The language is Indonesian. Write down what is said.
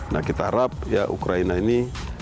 nah kita harap ya ukraina ini